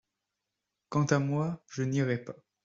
Quant à moi, je n’irai pas.